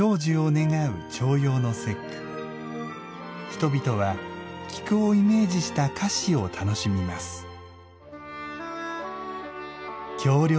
人々は、菊をイメージした菓子を楽しみます。